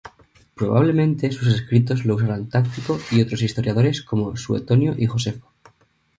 Probablemente sus escritos los usaran Tácito y otros historiadores como Suetonio y Josefo.